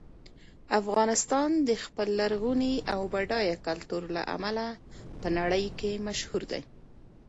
افغانستان د خپل لرغوني او بډایه کلتور له امله په نړۍ کې مشهور دی.